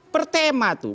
per tema itu